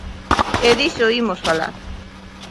E diso imos falar.